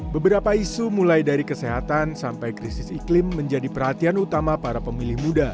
beberapa isu mulai dari kesehatan sampai krisis iklim menjadi perhatian utama para pemilih muda